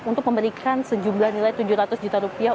untuk memberikan sejumlah nilai tujuh ratus juta rupiah